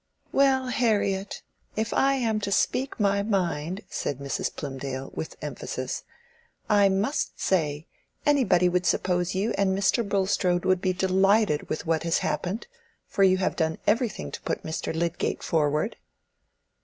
"Well, Harriet, if I am to speak my mind," said Mrs. Plymdale, with emphasis, "I must say, anybody would suppose you and Mr. Bulstrode would be delighted with what has happened, for you have done everything to put Mr. Lydgate forward."